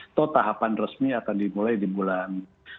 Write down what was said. atau tahapan resmi akan dimulai di bulan